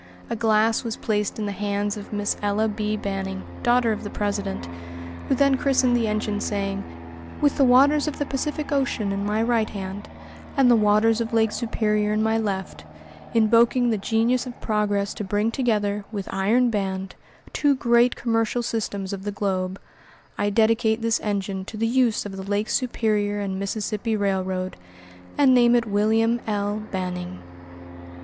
A glass was placed in the hands of Miss Ella B. Banning, daughter of the president, who then christened the engine, saying: "With the waters of the Pacific Ocean in my right hand, and the waters of Lake Superior in my left, invoking the Genius of Progress to bring together, with iron band, two great commercial systems of the globe, I dedicate this engine to the use of the Lake Superior and Mississippi Railroad, and name it William L. Banning."